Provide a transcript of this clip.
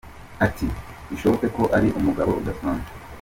Ati “Bishoboke ko ari umugabo udasanzwe.